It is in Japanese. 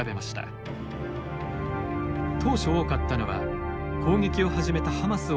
当初多かったのは攻撃を始めたハマスを非難する投稿でした。